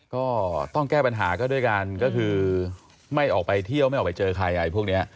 ก็ต้องแก้ปัญหาก็ด้วยกันก็คือไม่ออกไปเที่ยวไม่ออกไปเจอใครอะไรพวกนี้